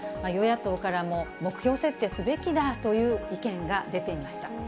与野党からも、目標設定すべきだという意見が出ていました。